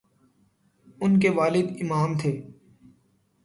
ان کے والد امام تھے۔